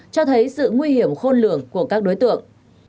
cho thấy sự nguy hiểm khôn lường của các đối tượng